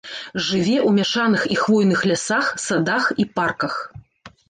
Жыве ў мяшаных і хвойных лясах, садах і парках.